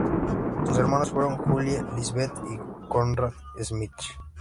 Sus hermanos fueron Julie, Lisbeth y Conrad Schmidt.